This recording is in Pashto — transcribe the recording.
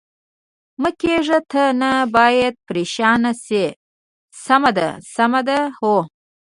مه کېږه، ته نه باید پرېشانه شې، سمه ده، سمه ده؟ هو.